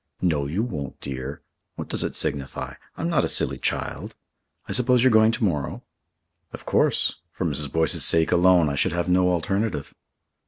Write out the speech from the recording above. "No, you won't, dear. What does it signify? I'm not a silly child. I suppose you're going to morrow?" "Of course for Mrs. Boyce's sake alone I should have no alternative."